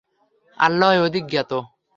আল্লাহই অধিক জ্ঞাত।